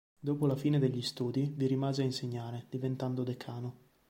Dopo la fine degli studi, vi rimase a insegnare, diventando decano.